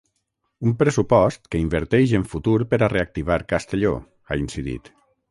“Un pressupost que inverteix en futur per a reactivar Castelló”, ha incidit.